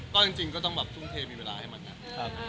ก็จริงก็ต้องต้องแบบพรึกษาไหมนะคะ